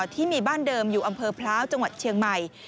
ที่มีบ้านเดิมอยู่อำเภอพร้าวจังหวัดเชียงใหม่